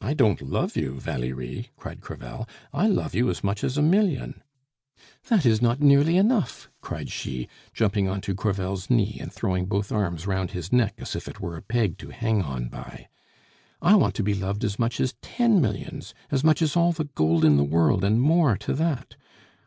"I don't love you, Valerie?" cried Crevel. "I love you as much as a million." "That is not nearly enough!" cried she, jumping on to Crevel's knee, and throwing both arms round his neck as if it were a peg to hang on by. "I want to be loved as much as ten millions, as much as all the gold in the world, and more to that.